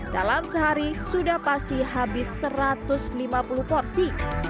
dalam sehari sudah pasti habis satu ratus lima puluh porsi